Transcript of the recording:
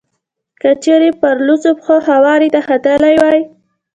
که چېرې په لوڅو پښو هوارې ته ختلی وای.